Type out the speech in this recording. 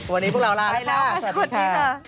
วันนี้พวกเราลาแล้วค่ะสวัสดีค่ะไปแล้วก็สวัสดีค่ะ